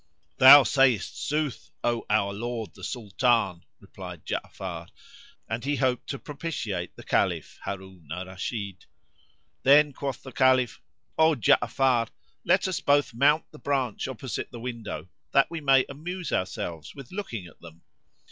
"Thou sayest sooth, O our Lord the Sultan!" replied Ja'afar (and he hoped to propitiate the Caliph Harun al Rashid). Then quoth the Caliph, "O Ja'afar, let us both mount the branch opposite the window, that we may amuse ourselves with looking at them."